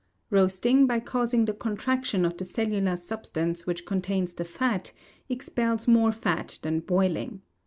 Roasting, by causing the contraction of the cellular substance which contains the fat, expels more fat than boiling.